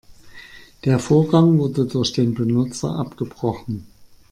Der Vorgang wurde durch den Benutzer abgebrochen.